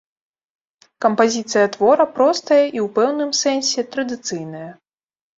Кампазіцыя твора простая і ў пэўным сэнсе традыцыйная.